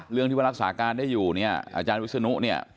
เรื่องที่ว่ารักษาการได้อยู่อาจารย์วิศนุ